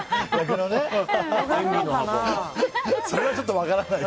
それはちょっと分からない。